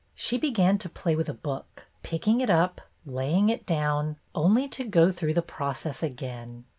She began to play with a book, picking it up, laying it down, only to go through the process again.